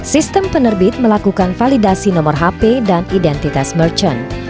sistem penerbit melakukan validasi nomor hp dan identitas merchant